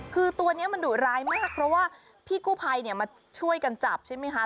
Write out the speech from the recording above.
คือตัวนี้มันดุร้ายมากเพราะว่าพี่กู้ภัยเนี่ยมาช่วยกันจับใช่ไหมคะ